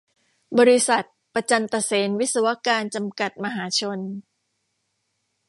บริษัท ประจันตะเสนวิศวการ จำกัด มหาชน